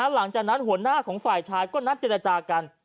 หลังจากนั้นหัวหน้าของฝ่ายชายก็นัดเจรจากัน